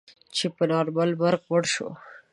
چې په نارمل مرګ مړ شو.